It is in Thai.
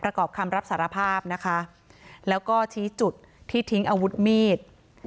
ประกอบคำรับสารภาพนะคะแล้วก็ชี้จุดที่ทิ้งอาวุธมีด